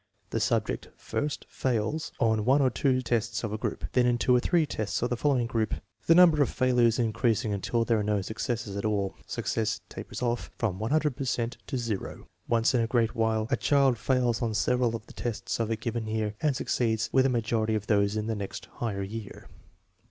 The subject fails first hi one or two tests of a group, then in two or three tests of the following group> the number of failures increasing until there are no successes at all. Success " tapers off " from 100 per cent to 0. Once in a great while a child fails on several of the tests of a given year and succeeds with a majority of those in the next higher year.